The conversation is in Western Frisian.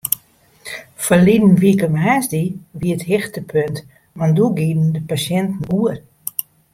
Ferline wike woansdei wie it hichtepunt want doe gienen de pasjinten oer.